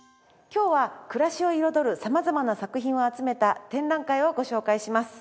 今日は暮らしを彩るさまざまな作品を集めた展覧会をご紹介します。